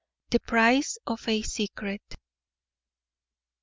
THE PRICE OF A SECRET.